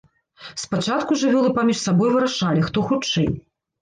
Спачатку жывёлы паміж сабой вырашалі, хто хутчэй.